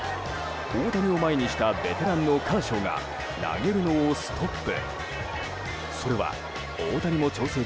大谷を前にしたベテランのカーショーが投げるのをストップ。